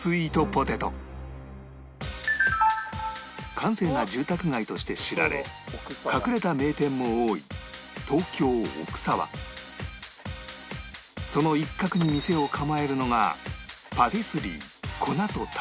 閑静な住宅街として知られ隠れた名店も多いその一角に店を構えるのが